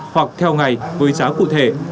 hoặc theo ngày với giá cụ thể